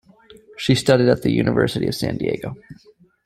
She studied at the University of San Diego.